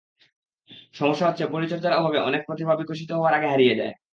সমস্যা হচ্ছে, পরিচর্যার অভাবে অনেক প্রতিভা বিকশিত হওয়ার আগে হারিয়ে যায়।